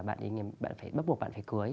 bạn ấy bắt buộc bạn phải cưới